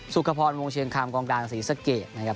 สุขพรวงเชียงคำกองกลางศรีสะเกดนะครับ